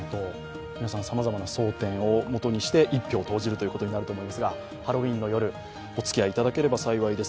皆さんさまざまま争点をもとにして一票を投じるということになると思いますが、ハロウィーンの夜お付き合いいただければ幸いです。